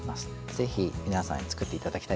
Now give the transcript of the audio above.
ぜひ皆さんに作っていただきたいですね。